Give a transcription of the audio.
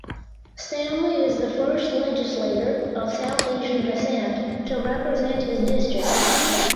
Stanley is the first legislator of South Asian descent to represent his district.